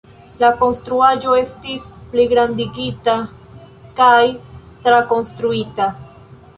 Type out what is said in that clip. La konstruaĵo estis pligrandigita kaj trakonstruita.